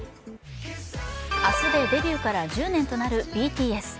明日でデビューから１０年となるＢＴＳ。